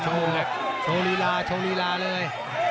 โชว์ลีลาโชว์ลีลาเลย